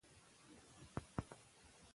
پوهنتونونه په دې غونډه کې استادان ګماري.